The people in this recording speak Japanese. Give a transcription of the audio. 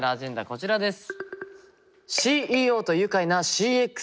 こちらです。